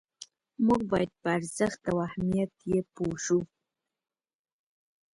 موږ باید په ارزښت او اهمیت یې پوه شو.